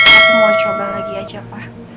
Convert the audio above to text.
aku mau coba lagi aja pak